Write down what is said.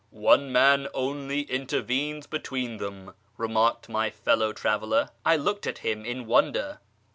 " One man only intervenes between them," remarked my fellow traveller. I looked at him in wonder.